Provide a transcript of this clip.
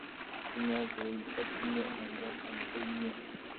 sinyoo koii, atinye ngolyo agoba inye